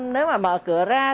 nếu mà mở cửa ra thì